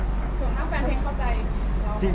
ส่วนข้างแฟนเพลงเข้าใจแล้ว